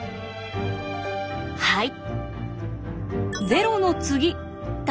はい。